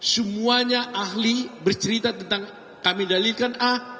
semuanya ahli bercerita tentang kami dalilkan a